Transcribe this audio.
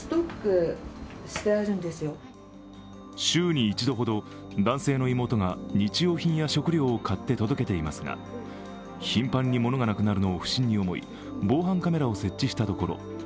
週に１度ほど男性の妹が日用品や食料を買って届けていますが、頻繁にものがなくなるのを不審に思い防犯カメラを設置したところ